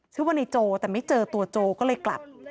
ชื่อว่าในโจแต่ไม่เจอตัวโจก็เลยกลับ